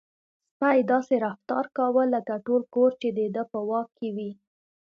سپی داسې رفتار کاوه لکه ټول کور چې د ده په واک کې وي.